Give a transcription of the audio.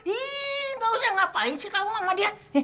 ih gak usah ngapain sih kamu sama dia